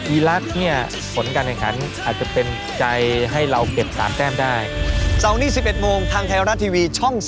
อีรัสเนี่ยผลการณ์ของฉันอาจจะเป็นใจให้เราเก็บตามแท่มได้